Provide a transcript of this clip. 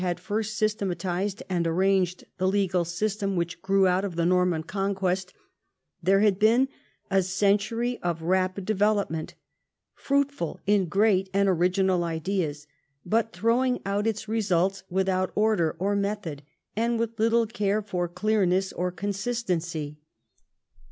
had first systemat ised and arranged the legal system which grew out of the Norman Conquest, there had been a century of rapid development, fruitful in great and original ideas, but throwing out its results without order or method, and with little care for clearness or consistency.